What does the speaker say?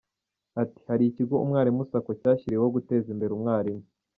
Ati” Hari ikigo Umwarimu Sacco cyashyiriweho guteza imbere umwarimu.